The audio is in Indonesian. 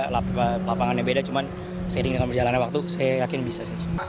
lapangannya beda cuma saya ingin berjalanan waktu saya yakin bisa